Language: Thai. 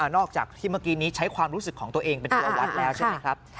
นอกจากที่เมื่อกี้นี้ใช้ความรู้สึกของตัวเองเป็นตัววัดแล้วใช่ไหมครับ